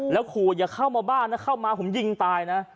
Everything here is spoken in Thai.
แล้วขู่อย่าเข้ามาบ้านนะเข้ามาผมยิงตายนะ